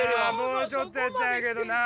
もうちょっとやったんやけどな。